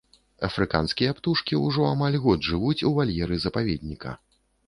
Афрыканскія птушкі ўжо амаль год жывуць у вальеры запаведніка.